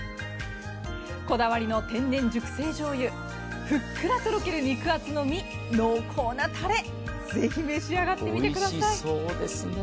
こだわりの天然熟成じょうゆ、ふっくらとろける肉厚の身、濃厚なたれ、ぜひ召し上がってみてください。